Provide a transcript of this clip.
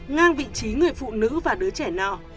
ngang vị trí người phụ nữ và đứa trẻ no